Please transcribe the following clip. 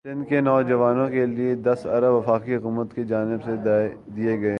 سندھ کے نواجوانوں کے لئے دس ارب وفاقی حکومت کی جانب سے دئے گئے ہیں